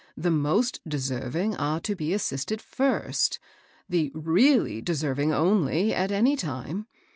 The most deserving are to be assisted first ; the really deserving only, at any time.